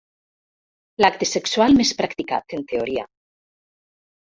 L'acte sexual més practicat, en teoria.